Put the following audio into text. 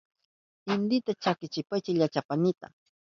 Intipi chakichipaychi llachapaynita.